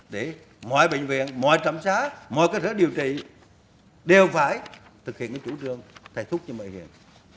để mọi bệnh viện mọi trạm xá mọi cơ thể điều trị đều phải thực hiện cái chủ trương thay thúc cho bệnh viện